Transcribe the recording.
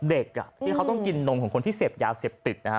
เด็กที่เขาต้องกินนมของคนที่เสพยาเสพติดนะฮะ